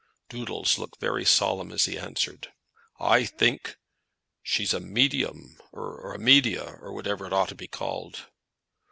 Doodles looked very solemn as he answered. "I think she's a medium or a media, or whatever it ought to be called."